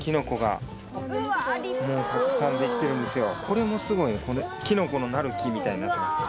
この辺の木これもすごいきのこのなる木みたいになってますね。